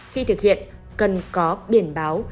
khi thực hiện cần có biển báo